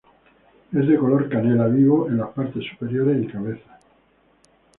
Es de color canela vivo en las partes superiores y cabeza.